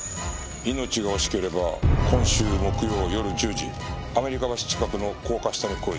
「命が惜しければ今週木曜夜１０時アメリカ橋近くの高架下に来い」